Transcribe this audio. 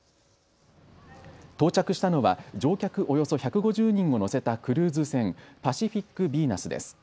到着したのは乗客およそ１５０人を乗せたクルーズ船、ぱしふぃっくびいなすです。